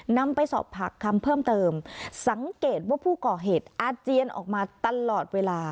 นำไปสอบผักคำเพิ่มเติมสังเกตว่าผู้ก่อเหตุอาเจียนออกมาตลอดเวลา